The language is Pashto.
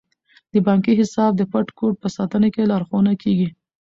د بانکي حساب د پټ کوډ په ساتنه کې لارښوونه کیږي.